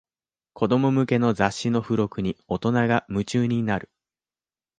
子供向けの雑誌の付録に大人が夢中になる